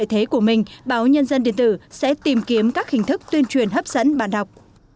hình thức tuyên truyền hấp dẫn bản đọc